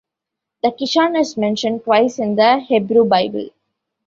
The Kishon is mentioned twice in the Hebrew Bible.